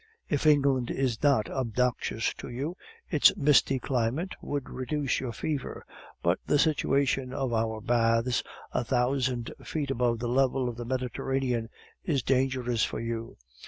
If England is not obnoxious to you, its misty climate would reduce your fever; but the situation of our baths, a thousand feet above the level of the Mediterranean, is dangerous for you.